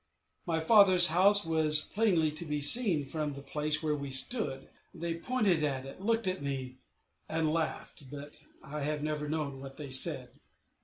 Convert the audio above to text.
My father's house was plainly to be seen from the place where we stood; they pointed at it, looked at me, and laughed, but I have never known what they said.